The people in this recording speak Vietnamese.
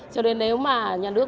cho nên nếu mà nhà nước